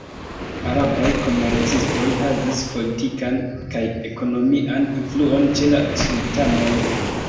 Arabaj komercistoj havis politikan kaj ekonomian influon ĉe la sultanoj.